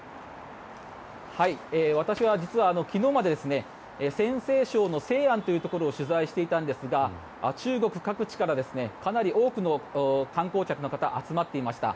私は実は昨日まで陝西省の西安というところを取材していたんですが中国各地からかなり多くの観光客の方、集まっていました。